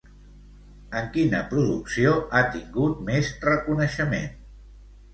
En quina producció ha tingut més reconeixement?